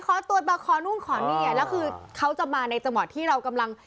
ขอตรวจมาขอนู่นขอนี่แล้วคือเขาจะมาในจังหวะที่เรากำลัง